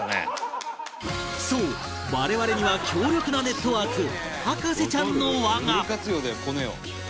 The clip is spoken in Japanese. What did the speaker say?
そう我々には強力なネットワーク博士ちゃんの輪が！